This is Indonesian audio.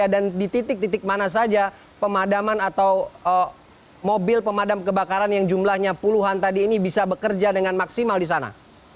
dan di titik titik mana saja pemadaman atau mobil pemadam kebakaran yang jumlahnya puluhan tadi ini bisa bekerja dengan maksimal di sana